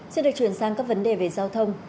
xin được chuyển sang các vấn đề về giao thông